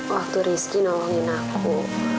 waktu rizky nolongin aku